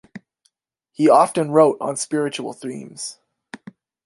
He often wrote on spiritual themes.